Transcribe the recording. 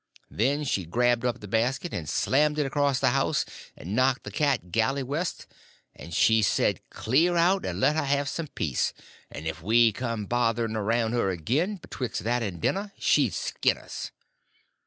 Then she grabbed up the basket and slammed it across the house and knocked the cat galley west; and she said cle'r out and let her have some peace, and if we come bothering around her again betwixt that and dinner she'd skin us.